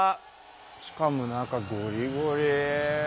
しかも中ゴリゴリ。